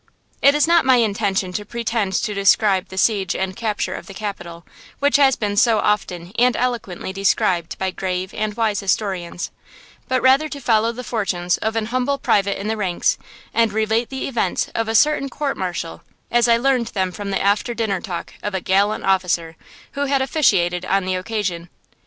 It is not my intention to pretend to describe the siege and capture of the capital, which has been so often and eloquently described by grave and wise historians, but rather to follow the fortunes of an humble private in the ranks, and relate the events of a certain court martial, as I learned them from the after dinner talk of a gallant officer who had officiated on the occasion.